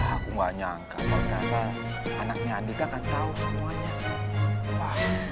aku gak nyangka ternyata anaknya andika akan tahu semuanya